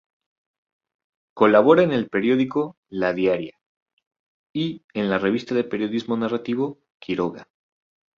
Colabora en el periódico "La Diaria" y en la revista de periodismo narrativo "Quiroga".